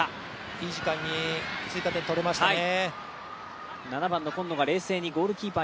いい時間に追加点を取れましたね。